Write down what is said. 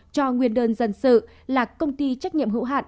cho nguyên đơn dân sự là công ty trách nhiệm hữu hạn